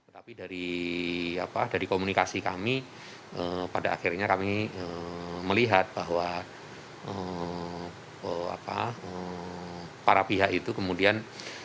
tapi dari komunikasi kami pada akhirnya kami melihat bahwa para pihak itu kemudian